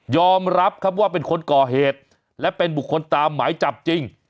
อมรับครับว่าเป็นคนก่อเหตุและเป็นบุคคลตามหมายจับจริง